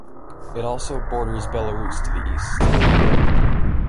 It also borders Belarus to the east.